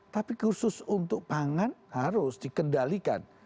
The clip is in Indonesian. tapi khusus untuk pangan harus dikendalikan